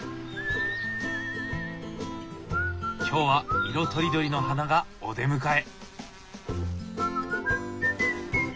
今日は色とりどりの花がお出迎え。